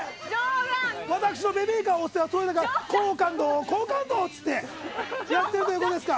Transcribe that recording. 私がベビーカーを押して好感度、好感度って言ってやってるってことですか。